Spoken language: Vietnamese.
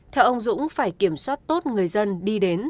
theo ông dũng phải kiểm soát tốt người dân đi đến